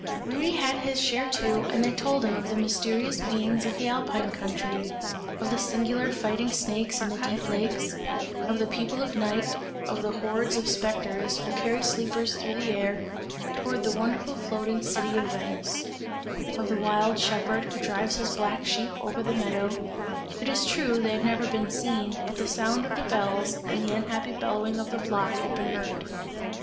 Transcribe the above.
Rudy had his share too and they told him of the mysterious beings of the Alpine country; of the singular fighting snakes in the deep lakes; of the people of night; of the hordes of spectres, who carry sleepers through the air, towards the wonderful floating city of Venice; of the wild shepherd, who drives his black sheep over the meadow; it is true, they had never been seen, but the sound of the bells and the unhappy bellowing of the flock, had been heard.